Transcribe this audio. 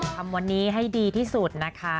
ทำวันนี้ให้ดีที่สุดนะคะ